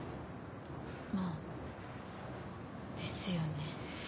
まあですよね。